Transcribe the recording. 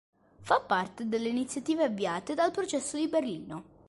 Fa parte delle iniziative avviate dal Processo di Berlino.